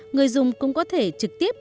người dùng cũng có thể trực tiếp